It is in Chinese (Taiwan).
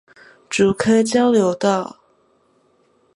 竹科交流道